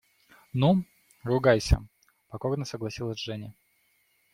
– Ну, ругайся, – покорно согласилась Женя.